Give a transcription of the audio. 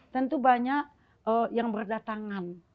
tentu banyak yang berdatangan